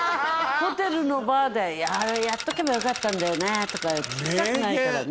ホテルのバーで「あれやっとけばよかったんだよね」とか聞きたくないからね。